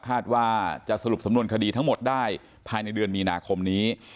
คาดว่าจะสรุปสำนวนคดีทั้งหมดได้ภายในเดือนมีนาคมนี้